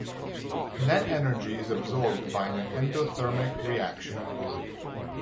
Net energy is absorbed by an endothermic reaction.